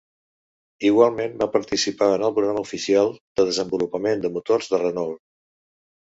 Igualment, va participar en el programa oficial de desenvolupament de motors de Renault.